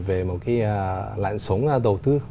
về một cái lãnh sống đầu tư